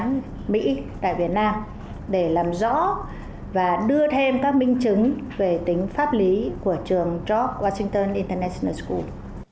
đại sứ quán mỹ tại việt nam để làm rõ và đưa thêm các minh chứng về tính pháp lý của trường george washington international school